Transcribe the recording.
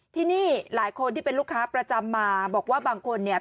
ที่นี่หลายคนที่เป็นลูกค้าประจำมาบอกว่าบางคนเนี่ย